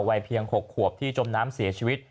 วัยเพียง๖ขวบที่จมน้ำเสียชีวิต